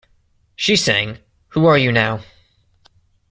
She sang Who Are You Now?